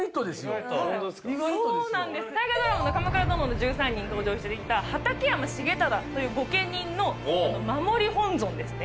ホントですか大河ドラマの「鎌倉殿の１３人」に登場した畠山重忠という御家人の守り本尊ですね